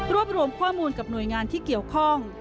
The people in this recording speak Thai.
รวมรวมข้อมูลกับหน่วยงานที่เกี่ยวข้อง